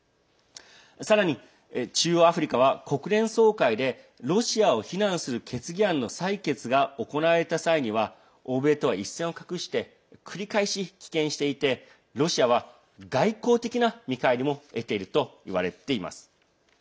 さらに、中央アフリカは国連総会でロシアを非難する決議案の採決が行われた際には欧米とは一線を画して繰り返し棄権していてロシアは外交的な見返りも得ているといわれています。